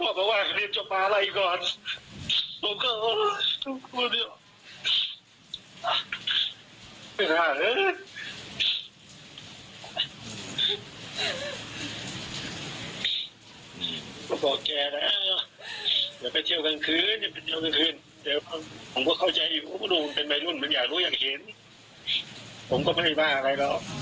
ผมก็ไม่ได้บ้าอะไรหรอกไม่ได้โทษใครหรอกผมทำเองก็ได้ผมไม่ได้